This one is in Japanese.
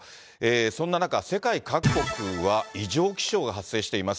そんな中、世界各国は異常気象が発生しています。